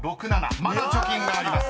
［まだ貯金があります。